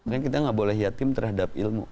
dan kita nggak boleh yatim terhadap ilmu